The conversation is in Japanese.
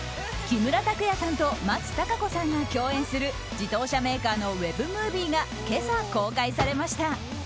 木村拓哉さんと松たか子さんが共演する自動車メーカーのウェブムービーが今朝、公開されました。